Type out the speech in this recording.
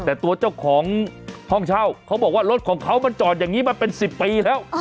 แต่ตัวเจ้าของห้องเช่าเขาบอกว่ารถของเขามันจอดอย่างนี้มาเป็น๑๐ปีแล้ว